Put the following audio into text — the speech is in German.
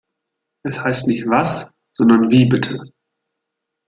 Es heißt nicht “Was“ sondern “Wie bitte“